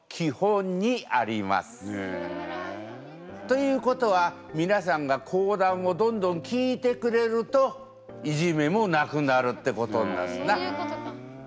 ということはみなさんが講談をどんどん聞いてくれるといじめもなくなるってことになるんすな。